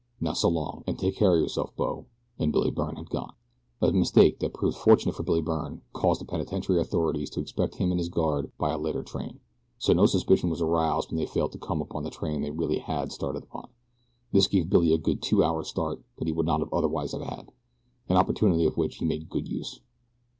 Now so long, and take care of yerself, bo," and Billy Byrne had gone. A mistake that proved fortunate for Billy Byrne caused the penitentiary authorities to expect him and his guard by a later train, so no suspicion was aroused when they failed to come upon the train they really had started upon. This gave Billy a good two hours' start that he would not otherwise have had an opportunity of which he made good use.